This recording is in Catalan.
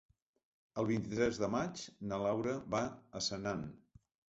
El vint-i-tres de maig na Laura va a Senan.